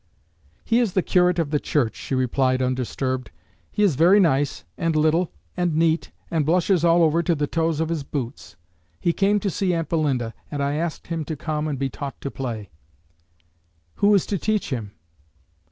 "He is the curate of the church," she replied, undisturbed. "He is very nice, and little, and neat, and blushes all over to the toes of his boots. He came to see aunt Belinda, and I asked him to come and be taught to play." "Who is to teach him?"